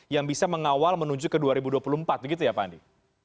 yang bisa mengawal menuju ke dua ribu dua puluh empat begitu ya pak andi